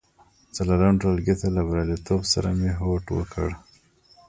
څلورم ټولګي ته له بریالیتوب سره مې هوډ وکړ.